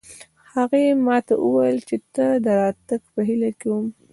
هغې ما ته وویل چې د تا د راتګ په هیله کې وم